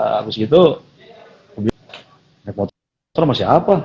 habis gitu naik motor masih apa